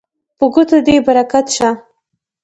په ګوتو دې برکت شه